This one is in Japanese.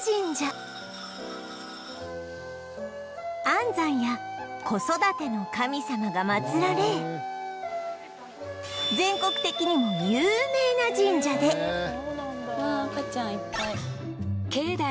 安産や子育ての神様が祭られ全国的にも有名な神社でへえそうなんだ。